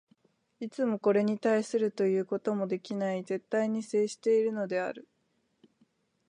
いつもこれに対するということもできない絶対に接しているのである。